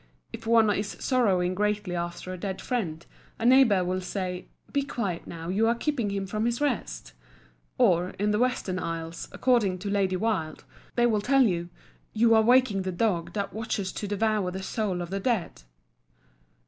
If one is sorrowing greatly after a dead friend, a neighbour will say, "Be quiet now, you are keeping him from his rest;" or, in the Western Isles, according to Lady Wilde, they will tell you, "You are waking the dog that watches to devour the souls of the dead."